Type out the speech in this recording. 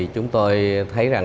chúng tôi thấy